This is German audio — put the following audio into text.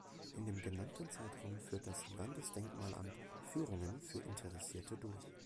In dem genannten Zeitraum führt das Landesdenkmalamt Führungen für Interessierte durch.